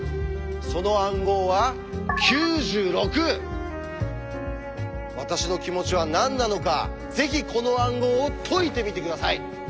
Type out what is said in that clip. その暗号は私の気持ちは何なのかぜひこの暗号を解いてみて下さい。